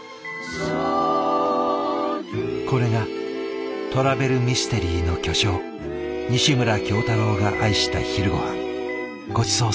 これがトラベルミステリーの巨匠西村京太郎が愛した昼ごはん。